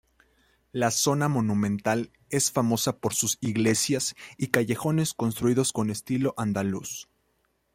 La zona monumental es famosa por sus iglesias y callejones construidos con estilo andaluz.